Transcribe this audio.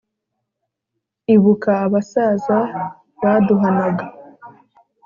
Ibuka abasaza baduhanaga